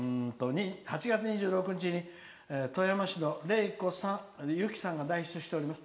８月２６日に富山市のれいこさんゆきさんが代筆しております。